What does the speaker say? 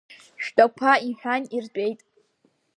Шәтәақәа, — иҳәан, иртәеит.